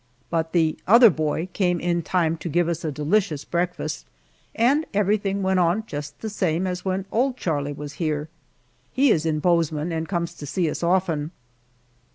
But the "other boy" came in time to give us a delicious breakfast, and everything went on just the same as when old Charlie was here. He is in Bozeman and comes to see us often.